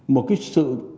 một cái sự